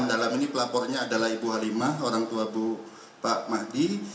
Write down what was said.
dalam ini pelapornya adalah ibu halimah orang tua pak mati